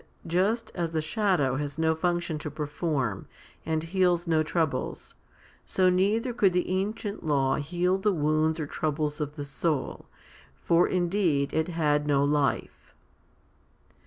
236 FIFTY SPIRITUAL HOMILIES the shadow has no function to perform, and heals no troubles, so neither could the ancient law heal the wounds or troubles of the soul ; for indeed it had no life.